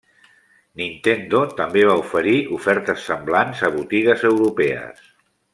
Nintendo també va oferir ofertes semblants a botigues europees.